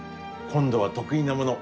今度は得意なもの